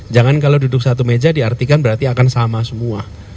jangan kalau duduk satu meja diartikan berarti akan sama semua